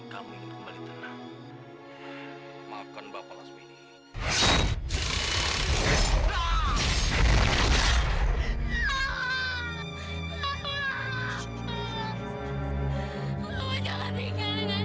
saya akan berwimpin ini